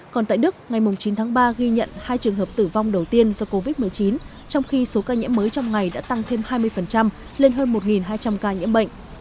còn tại đức ngày chín tháng ba ghi nhận hai trường hợp tử vong đầu tiên do covid một mươi chín trong khi số ca nhiễm mới trong ngày đã tăng thêm hai mươi lên hơn một hai trăm linh ca nhiễm bệnh